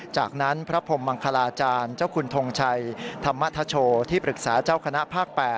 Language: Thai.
จากนั้นพระพรมมังคลาจารย์เจ้าคุณทงชัยธรรมทโชที่ปรึกษาเจ้าคณะภาค๘